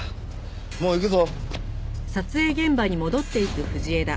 もう行くぞ。